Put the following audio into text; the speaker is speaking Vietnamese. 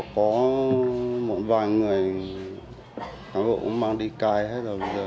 có một vài người cán bộ cũng mang đi cai hết rồi bây giờ